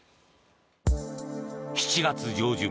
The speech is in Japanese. ７月上旬